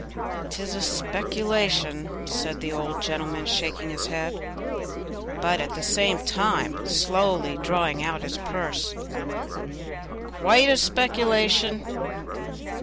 "'Tis a speculation," said the old gentleman, shaking his head, but at the same time slowly drawing out his purse, "quite a speculation!